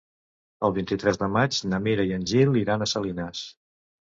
El vint-i-tres de maig na Mira i en Gil iran a Salines.